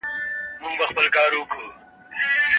د بریا سند یوازي با استعداده کسانو ته نه سي سپارل کېدلای.